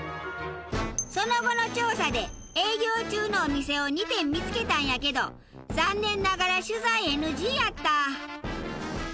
その後の調査で営業中のお店を２店見つけたんやけど残念ながら取材ＮＧやった。